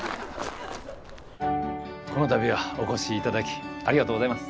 このたびはお越しいただきありがとうございます。